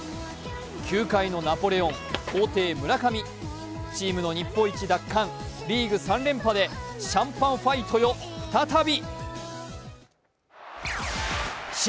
球界のナポレオン、皇帝・村上、チームの日本一奪還、リーグ３連覇でシャンパンファイトよ、再び。